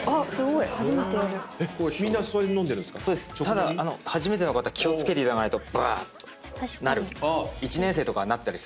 ただ初めての方気を付けないとバーッとなる。